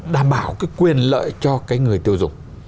đảm bảo cái quyền lợi cho cái người tiêu dùng